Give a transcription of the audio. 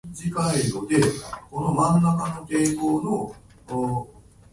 となりのトトロをみる。